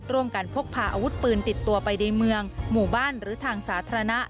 พกพาอาวุธปืนติดตัวไปในเมืองหมู่บ้านหรือทางสาธารณะ